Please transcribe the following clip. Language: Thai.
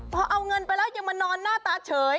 พอเอาเงินไปแล้วยังมานอนหน้าตาเฉย